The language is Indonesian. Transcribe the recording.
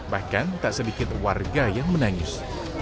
bahkan tak sedikit warga yang menangis